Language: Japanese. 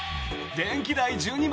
電気代１２万